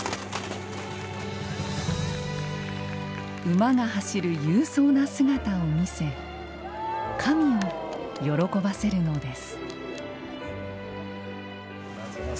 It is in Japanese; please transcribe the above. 馬が走る勇壮な姿を見せ神を喜ばせるのです。